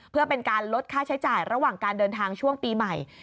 เพื่อเป็นการลดค่าใช้จ่ายระหว่างการเดินทางช่วงปีใหม่